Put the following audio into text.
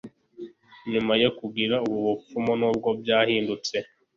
Nyuma yo kugira ubu bupfumu nubwo byahindutse